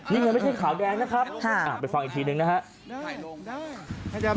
นี่ไงไม่ใช่ขาวแดงนะครับไปฟังอีกทีนึงนะครับ